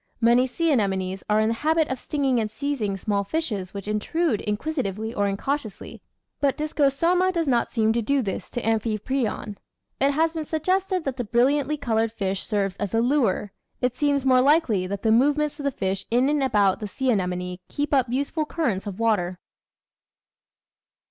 Many sea anemones are in the habit of stinging and seizing small fishes which intrude in quisitively or incautiously, but Discosoma does not seem to do this to Amphiprion. It has been suggested that the brilliantly coloured fish serves as a lure ; it seems more likely that the move ments of the fish in and about the sea anemone keep up useful currents of water.